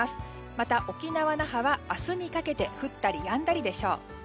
また、沖縄・那覇は明日にかけて降ったりやんだりでしょう。